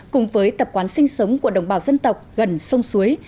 cùng với tập quán sinh sống của đồng bào dân tộc gần sông suối